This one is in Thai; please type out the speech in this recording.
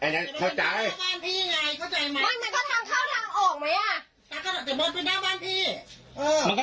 ลอเมซี